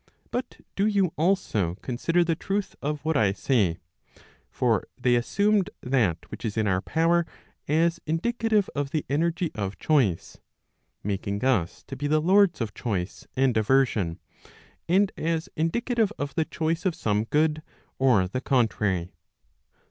But do you also consider the truth of what I say. For they assumed that which is in our power as indicative of the energy of choice, making us to be the lords of choice and aversion, and as indicative of the choice of some good, or the contrary.